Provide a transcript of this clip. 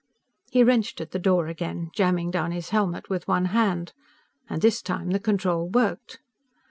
He wrenched at the door again, jamming down his helmet with one hand. And this time the control worked.